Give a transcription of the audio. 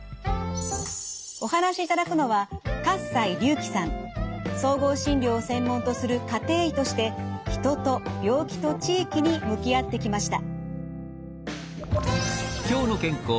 お話しいただくのは総合診療を専門とする家庭医として人と病気と地域に向き合ってきました。